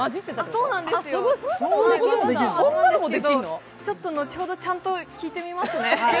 そうなんですよ、ちょっと後ほどちゃんと聞いてみますね。